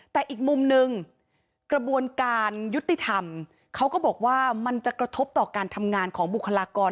แต่อีกมุมหนึ่งกระบวนการยุติธรรมเขาก็บอกว่ามันจะกระทบต่อการทำงานของบุคลากร